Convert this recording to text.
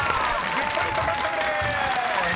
１０ポイント獲得です］